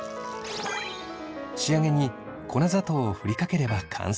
仕上げに粉砂糖をふりかければ完成です。